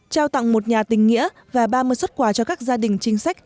trao tặng một nhà tình nghĩa và ba mươi xuất quà cho các gia đình chính sách